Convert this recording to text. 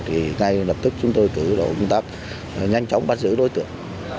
thì ngay lập tức chúng tôi cử tổ công tác nhanh chóng bắt giữ đối tượng